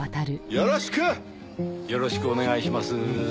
よろしくお願いします。